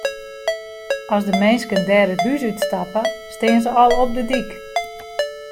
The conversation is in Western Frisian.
As de minsken dêr it hûs út stappe, stean se al op de dyk.